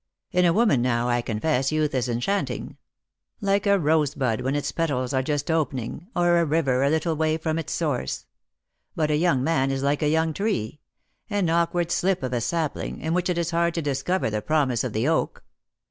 In a woman, now, I confess, youth is enchanting; like a rosebud when its petals are just opening, or a river a little way from its source. But a young man is like a young tree; an awkward slip of a sapling, in which it is hard to discover the promise of the oak.